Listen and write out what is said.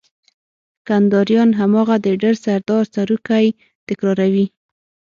کنداريان هماغه د ډر سردار سروکی تکراروي.